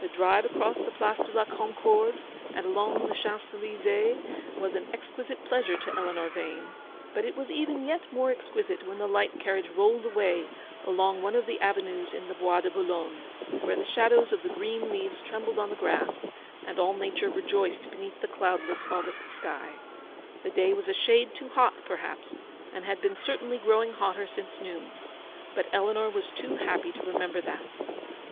The drive across the Place de la Concorde, and along the Champs Elysees, was an exquisite pleasure to Eleanor Vane; but it was even yet more exquisite when the light carriage rolled away along one of the avenues in the Bois de Boulogne, where the shadows of the green leaves trembled on the grass, and all nature rejoiced beneath the cloudless August sky. The day was a shade too hot, perhaps, and had been certainly growing hotter since noon, but Eleanor was too happy to remember that.